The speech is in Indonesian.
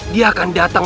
dia akan datang